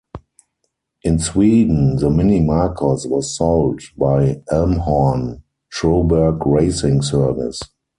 In Sweden the Mini Marcos was sold by Elmhorn-Troberg Racing Service.